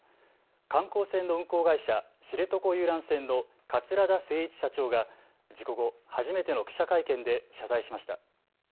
観光船の運航会社、知床遊覧船の桂田精一社長が事故後、初めての記者会見で謝罪しました。